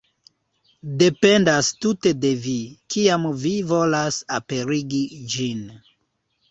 Dependas tute de vi, kiam vi volas aperigi ĝin.